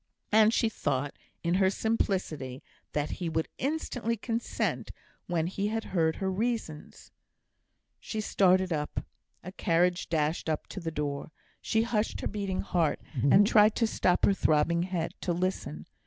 And she thought, in her simplicity, that he would instantly consent when he had heard her reasons. She started up. A carriage dashed up to the door. She hushed her beating heart, and tried to stop her throbbing head to listen.